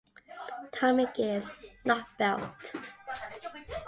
Timing gears, not belt.